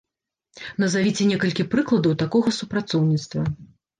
Назавіце некалькі прыкладаў такога супрацоўніцтва.